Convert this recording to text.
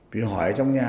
vì hỏi trong nhà